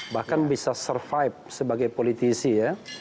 bahkan bisa survive sebagai politisi ya